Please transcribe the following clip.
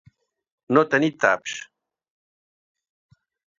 No tenir taps.